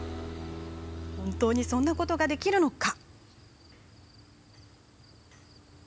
本当にそんなことができるのか。